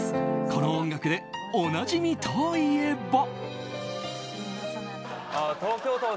この音楽でおなじみといえば。